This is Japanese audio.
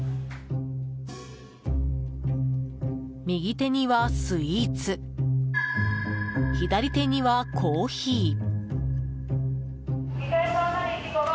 右手にはスイーツ左手にはコーヒー。